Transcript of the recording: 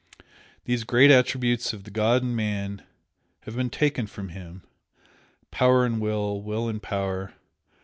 These great attributes of the god in man have been taken from him. Power and Will! Will and Power!